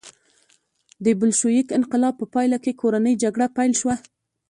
د بلشویک انقلاب په پایله کې کورنۍ جګړه پیل شوه.